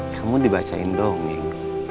kamu dibacain dong ibu